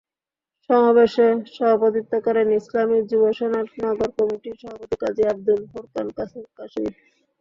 সমাবেশে সভাপতিত্ব করেন ইসলামী যুবসেনার নগর কমিটির সভাপতি কাজী আবুল ফোরকান কাশেমী।